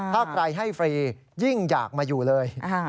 ถ้าใครให้ฟรียิ่งอยากมาอยู่เลย